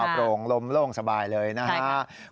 โปร่งลมล่มสบายเลยนะฮะ